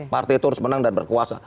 partai itu harus menang dan berkuasa